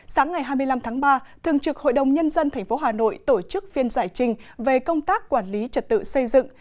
sáng ngày hai mươi năm tháng ba thường trực hội đồng nhân dân tp hà nội tổ chức phiên giải trình về công tác quản lý trật tự xây dựng